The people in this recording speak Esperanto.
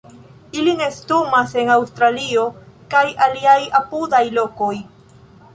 Ili nestumas en Aŭstralio, kaj aliaj apudaj lokoj.